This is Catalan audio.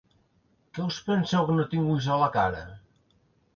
Que us penseu que no tinc ulls a la cara?